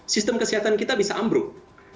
sistem kesehatan kita bisa ambruk